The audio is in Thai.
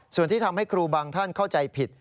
ส่วนที่ทำให้ครูบางท่านเข้าใจผิด